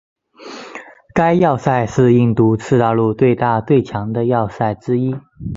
该要塞是印度次大陆最大最强的要塞之一。